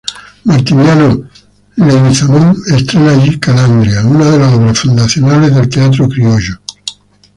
Martiniano Leguizamón estrena allí "Calandria", una de las obras fundacionales del teatro criollo.